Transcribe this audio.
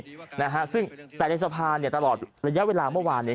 อะไรแบบนี้นะฮะซึ่งแต่ในสภาเนี่ยตลอดระยะเวลาเมื่อวานเนี่ย